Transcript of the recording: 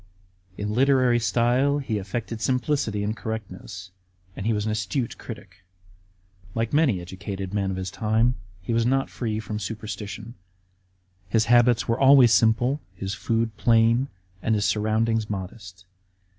In literary style he affected simplicity and correctness ; and he was an acute critic. Like many educated men of his time, he was not free from superstition. His habits were always simple, his food plain, and his surroundings modest.